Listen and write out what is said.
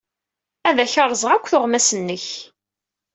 Ad ak-rẓeɣ akk tuɣmas-nnek.